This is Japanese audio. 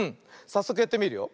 さっそくやってみるよ。